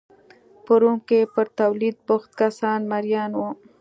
په روم کې پر تولید بوخت کسان مریان وو